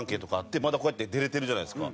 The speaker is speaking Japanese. まだこうやって出れてるじゃないですか。